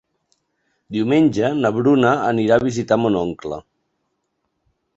Diumenge na Bruna anirà a visitar mon oncle.